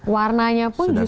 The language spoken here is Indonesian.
warnanya pun juga